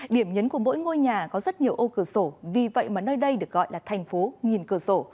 điểm nhấn của mỗi ngôi nhà có rất nhiều ô cửa sổ vì vậy mà nơi đây được gọi là thành phố nghìn cửa sổ